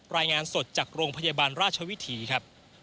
รายงานสดจากโรงพยาบาลราชวิถีครับ